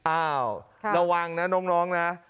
อ้าวระวังนะน้องนะ